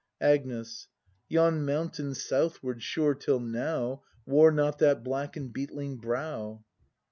Agnes. Yon mountain southward, sure, till now. Wore not that black and beetling brow.